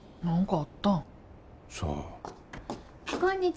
何かあったん？